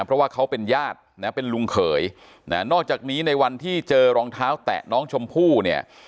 เพราะว่าเขาเป็นญาตินะเป็นลุงเขยนะนอกจากนี้ในวันที่เจอรองเท้าแตะน้องชมพู่เนี่ย